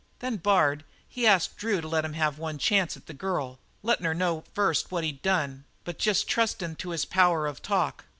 "Then Bard, he asked Drew to let him have one chance at the girl, lettin' her know first what he'd done, but jest trustin' to his power of talk.